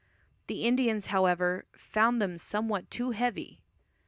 The Indians however, "found them somewhat too heavy."